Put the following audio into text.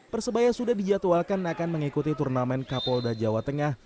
persebaya sudah dijadwalkan akan mengikuti turnamen kapolda jawa tengah